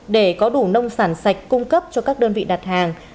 để có đủ nông sản sạch cung cấp cho các đơn vị đặt hàng